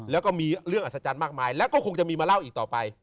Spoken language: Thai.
แล้วก็มีเรื่องอัศจรรย์มากมายแล้วก็คงจะมีมาเล่าอีกต่อไป